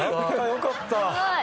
よかった。